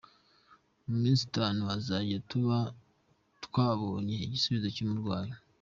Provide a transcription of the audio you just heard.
Mu minsi itanu tuzajya tuba twabonye igisubizo cy’umurwayi.